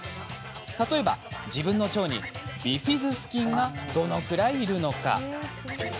例えば、自分の腸にビフィズス菌がどのくらいいるのか。